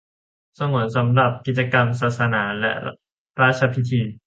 สงวนสำหรับกิจกรรมศาสนาและราชพิธี